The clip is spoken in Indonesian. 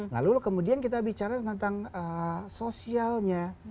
lalu kemudian kita bicara tentang sosialnya